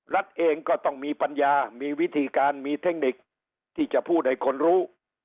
รัฐเองก็ต้องมีปัญญามีวิธีการมีเทคนิคที่จะพูดให้คนรู้